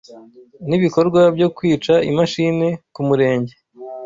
n'ibikorwa byo kwiga imachine kumurenge